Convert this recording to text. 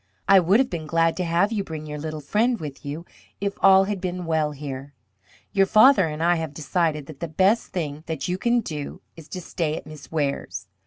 I would have been glad to have you bring your little friend with you if all had been well here. Your father and I have decided that the best thing that you can do is to stay at Miss Ware's.